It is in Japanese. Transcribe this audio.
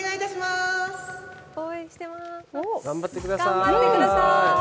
頑張ってください。